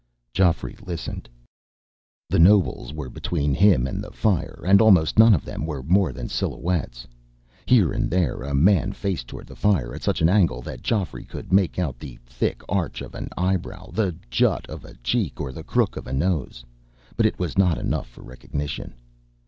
Geoffrey listened. The nobles were between him and the fire, and almost none of them were more than silhouettes. Here and there, a man faced toward the fire at such an angle that Geoffrey could make out the thick arch of an eyebrow, the jut of a cheek, or the crook of a nose. But it was not enough for recognition.